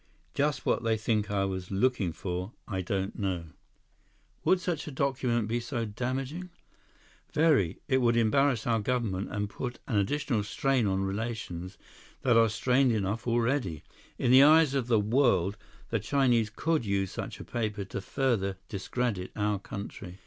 Just what they think I was looking for, I don't know." "Would such a document be so damaging?" "Very. It would embarrass our government and put an additional strain on relations that are strained enough already. In the eyes of the world, the Chinese could use such a paper to further discredit our country.